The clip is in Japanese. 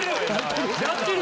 やってる！